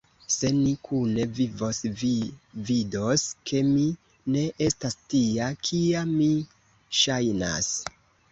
Se ni kune vivos, vi vidos, ke mi ne estas tia, kia mi ŝajnas!